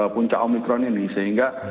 puncak omikron ini sehingga